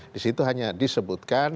disitu hanya disebutkan